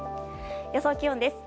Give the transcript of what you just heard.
予想気温です。